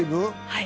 はい。